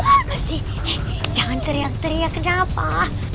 apa sih jangan teriak teriak kenapa